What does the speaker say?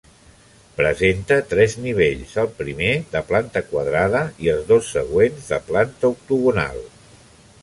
Presenta tres nivells, el primer de planta quadrada i els dos següents de planta octogonal.